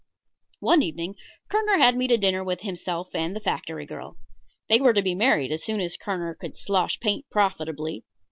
One evening Kerner had me to dinner with himself and the factory girl. They were to be married as soon as Kerner could slosh paint profitably.